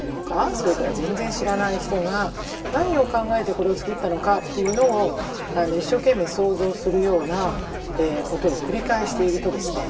それから全然知らない人が何を考えてこれを作ったのかっていうのを一生懸命想像するようなことを繰り返しているとですね